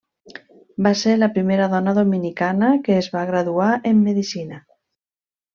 Va ser la primera dona dominicana que es va graduar en medicina.